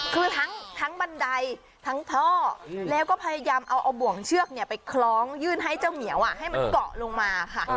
คือทั้งบันไดทั้งท่อแล้วก็พยายามเอาบ่วงเชือกไปคล้องยื่นให้เจ้าเหมียวให้มันเกาะลงมาค่ะ